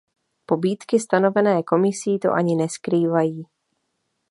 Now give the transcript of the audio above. Pobídky stanovené Komisí to ani neskrývají.